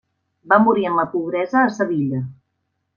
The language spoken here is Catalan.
Va morir en la pobresa a Sevilla.